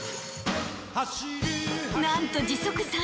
［なんと］